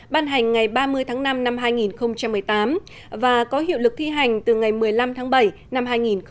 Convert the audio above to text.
ban hành ngày ba mươi tháng năm năm hai nghìn một mươi tám và có hiệu lực thi hành từ ngày một mươi năm tháng bảy năm hai nghìn một mươi chín